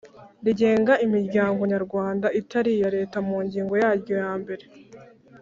rigenga imiryango nyarwanda itari iya Leta mu ngingo yaryo ya mbere